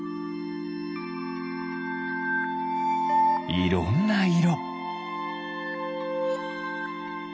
いろんないろ。